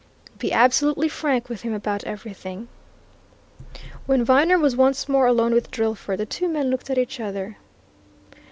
"Be absolutely frank with him about everything." When Viner was once more alone with Drillford, the two men looked at each other.